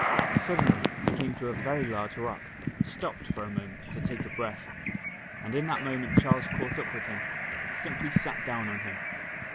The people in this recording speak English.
Suddenly he came to a very large rock, and stopped for a moment to take breath, and in that moment Charles caught up with him and simply sat down on him.